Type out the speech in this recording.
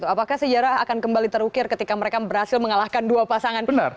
apakah sejarah akan kembali terukir ketika mereka berhasil mengalahkan dua pasangan